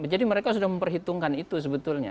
jadi mereka sudah memperhitungkan itu sebetulnya